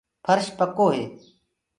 ڦرش پڪو هي۔